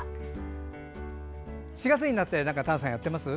４月になって、丹さんは何かやってます？